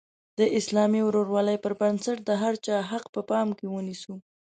د اسلامي ورورولۍ پر بنسټ د هر چا حق په پام کې ونیسو.